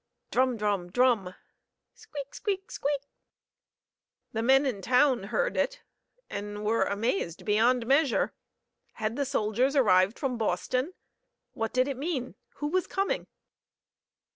Drum! drum!! drum!!! Squeak! squeak!! squeak!!! The men in the town heard it and were amazed beyond measure. Had the soldiers arrived from Boston? What did it mean? Who were coming?